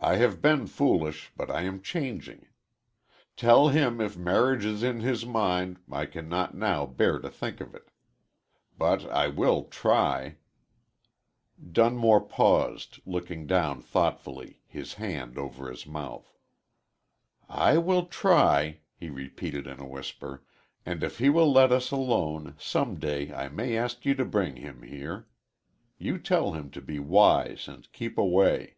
I have been foolish, but I am changing. Tell him if marriage is in his mind I cannot now bear to think of it. But I will try " Dunmore paused, looking down thoughtfully, his hand over his mouth. "I will try," he repeated, in a whisper, "and, if he will let us alone, some day I may ask you to bring him here. You tell him to be wise and keep away."